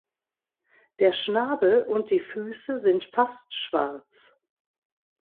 Der Schnabel und die Füße sind fast schwarz.